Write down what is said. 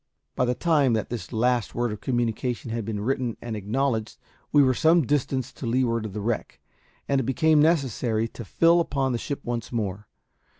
By the time that the last word of this communication had been written and acknowledged we were some distance to leeward of the wreck, and it became necessary to fill upon the ship once more.